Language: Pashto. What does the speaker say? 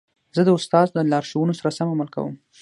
زه د استاد د لارښوونو سره سم عمل کوم.